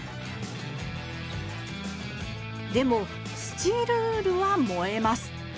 でもスチールウールは燃えます。